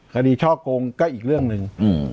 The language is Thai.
ช่อกงก็อีกเรื่องหนึ่ง